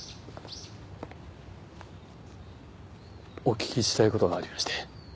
お聞きしたい事がありまして。